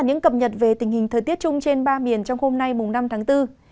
những cập nhật về tình hình thời tiết chung trên ba miền trong hôm nay năm tháng bốn